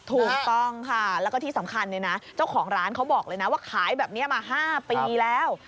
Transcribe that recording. ถูกต้องค่ะแล้วก็ที่สำคัญเนี่ยนะเจ้าของร้านเขาบอกเลยนะว่าขายแบบนี้มา๕ปีแล้ว